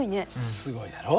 すごいだろ。